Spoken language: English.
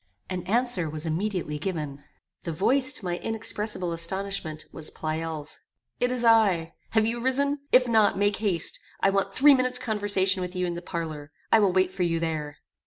An answer was immediately given. The voice, to my inexpressible astonishment, was Pleyel's. "It is I. Have you risen? If you have not, make haste; I want three minutes conversation with you in the parlour I will wait for you there."